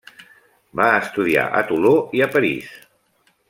Va estudiar a Toló i a París.